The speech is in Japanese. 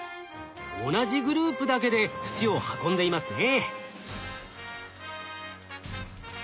同じグループだけで土を運んでいますね。